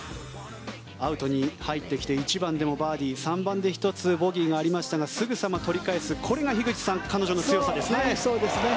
アウトに入ってきて１番でもバーディー３番で１つボギーがありましたがすぐさま取り返すこれが彼女のすごさですね。